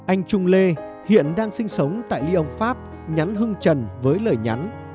anh trung lê hiện đang sinh sống tại lyon pháp nhắn hưng trần với lời nhắn